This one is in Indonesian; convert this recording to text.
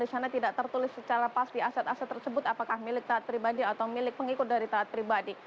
di sana tidak tertulis secara pasti aset aset tersebut apakah milik taat pribadi atau milik pengikut dari taat pribadi